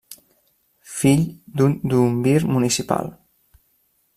Fill d'un duumvir municipal.